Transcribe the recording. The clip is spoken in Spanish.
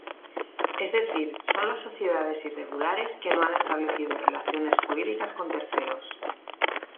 Es decir, son las sociedades irregulares que no han establecido relaciones jurídicas con terceros.